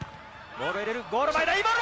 ボールを入れるゴール前だいいボールだ！